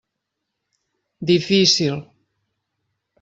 Difícil.